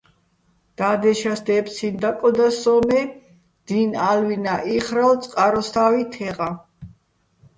და́დეშას დეფცინო̆ დაკოდა სოჼ, მე დი́ნ ა́ლვინა́ იხრალო̆ წყაროსთა́ვი თე́ყაჼ.